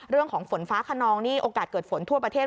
เรื่องของฝนฟ้าขนองนี่โอกาสเกิดฝนทั่วประเทศ